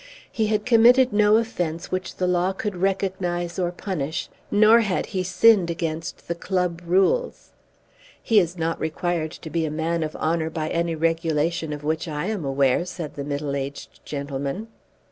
He had committed no offence which the law could recognise and punish, nor had he sinned against the club rules. "He is not required to be a man of honour by any regulation of which I am aware," said the middle aged gentleman.